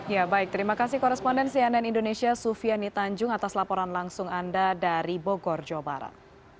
ya baik terima kasih koresponden cnn indonesia sufiani tanjung atas laporan langsung anda dari bogor jawa barat